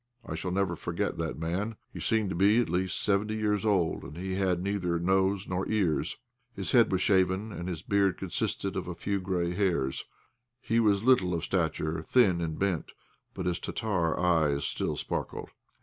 I shall never forget that man; he seemed to be at least seventy years old, and he had neither nose nor ears. His head was shaven, and his beard consisted of a few grey hairs. He was little of stature, thin and bent; but his Tartar eyes still sparkled.